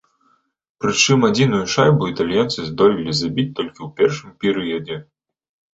Прычым адзіную шайбу італьянцы здолелі забіць толькі ў першым перыядзе.